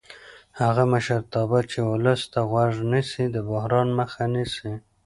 هغه مشرتابه چې ولس ته غوږ نیسي د بحران مخه نیسي